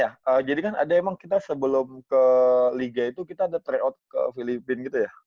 ya jadi kan ada emang kita sebelum ke liga itu kita ada tryout ke filipina gitu ya